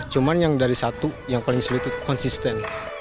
cuma yang dari satu yang paling sulit itu konsisten